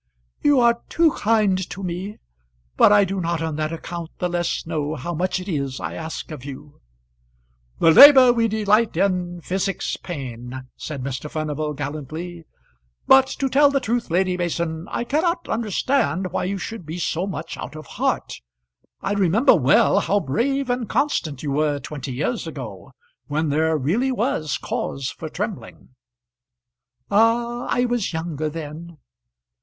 "You are too kind to me; but I do not on that account the less know how much it is I ask of you." "'The labour we delight in physics pain,'" said Mr. Furnival gallantly. "But, to tell the truth, Lady Mason, I cannot understand why you should be so much out of heart. I remember well how brave and constant you were twenty years ago, when there really was cause for trembling." "Ah, I was younger then."